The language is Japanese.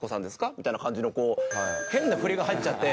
みたいな感じの変なフリが入っちゃって。